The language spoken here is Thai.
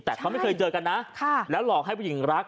แต่เขาไม่เคยเจอกันนะแล้วหลอกให้ผู้หญิงรัก